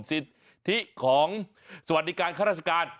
สิทธิของสวัสดิการข้าราชการ